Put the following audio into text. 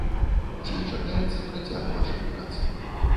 Ці чакаецца працяг вашай працы?